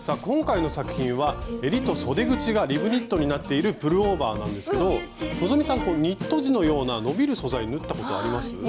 今回の作品はえりとそで口がリブニットになっているプルオーバーなんですけど希さんニット地のような伸びる素材縫ったことあります？